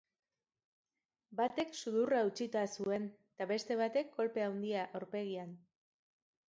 Batek sudurra hautsita zuen eta beste batek kolpe handia aurpegian.